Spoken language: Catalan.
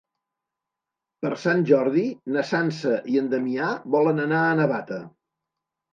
Per Sant Jordi na Sança i en Damià volen anar a Navata.